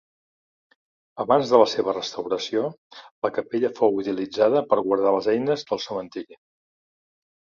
Abans de la seva restauració la capella fou utilitzada per guardar les eines del cementiri.